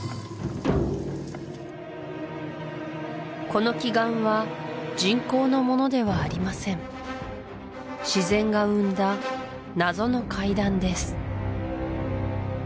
この奇岩は人工のものではありません自然が生んだナゾの階段です